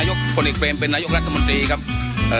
อยกพลิกเฟมเป็นนายกรัฐมนตรีครับเอ่อ